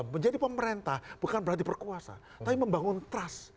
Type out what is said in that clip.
menjadi pemerintah bukan berarti berkuasa tapi membangun trust